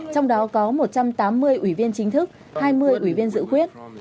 trong đó có một trăm tám mươi ủy viên chính thức hai mươi ủy viên dự quyết